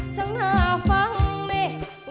ช่างหน้าฟังนี่